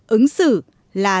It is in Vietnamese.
ứng xử là